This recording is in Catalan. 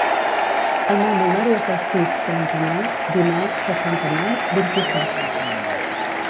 El meu número es el sis, trenta-nou, dinou, seixanta-nou, vint-i-set.